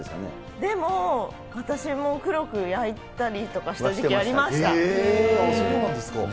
でも、私も黒く焼いたりとかした時期ありました。